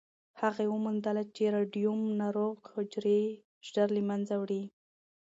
هغې وموندله چې راډیوم ناروغ حجرې ژر له منځه وړي.